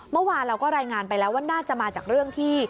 เมื่อวานเราก็รายงานไปแล้วว่าน่าจะมาจากเรื่องที่